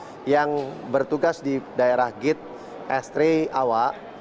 bahwasanya yang bersangkutan diberikan tugas untuk mengawasi apakah maskapai berada di daerah git estre awak